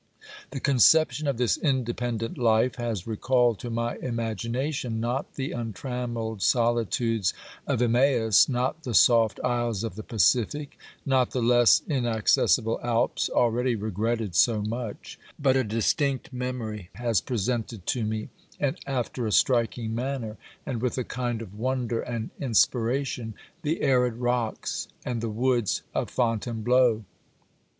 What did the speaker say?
The conception of this independent life has recalled to my imagination, not the untrammelled solitudes of Imaiis, not the soft isles of the Pacific, not the less inaccessible Alps, already regretted so much, but a distinct memory has presented to me, after a striking manner, and with a kind of wonder and inspira tion, the arid rocks and the woods of Fontainebleau.